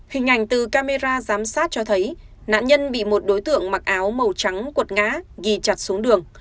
hình ảnh từ camera giám sát cho thấy nạn nhân bị một đối tượng mặc áo màu trắng cuột ngã ghi chặt xuống đường